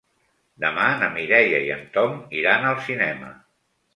Demà na Mireia i en Tom iran al cinema.